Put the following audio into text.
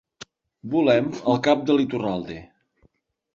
Volem el cap de l'Iturralde.